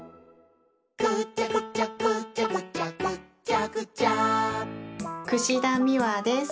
「ぐちゃぐちゃぐちゃぐちゃぐっちゃぐちゃ」田美和です。